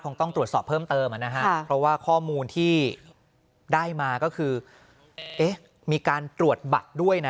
ก็ไม่ได้ถามทีครับ